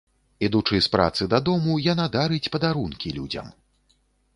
Ідучы з працы дадому, яна дарыць падарункі людзям.